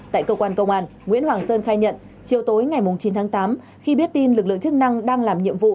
tại cơ quan công an nguyễn hoàng sơn khai nhận chiều tối ngày chín tháng tám khi biết tin lực lượng chức năng đang làm nhiệm vụ